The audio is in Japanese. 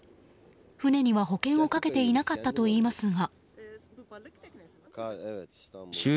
船には保険をかけていなかったといいますが。